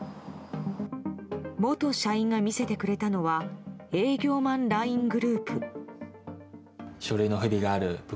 元社員が見せてくれたのは営業マンＬＩＮＥグループ。